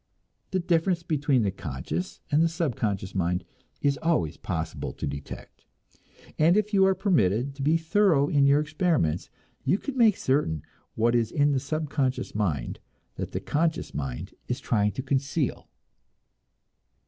The difference between the conscious and the subconscious mind is always possible to detect, and if you are permitted to be thorough in your experiments, you can make certain what is in the subconscious mind that the conscious mind is trying to conceal.